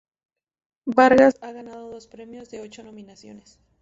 Vargas ha ganado dos premios de ocho nominaciones.